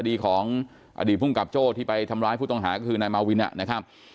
อดีตของอดีตภูมิกับโจ้ที่ไปทำร้ายผู้ต้องหาก็คือนายมาวินนะครับ